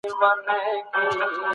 سم نیت ناکامي نه جوړوي.